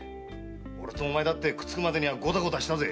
俺とお前もくっつくまでにはゴタゴタしたぜ。